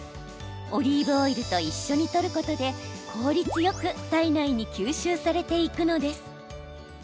オリーブオイルと一緒にとることで効率よく体内に吸収されていくのです。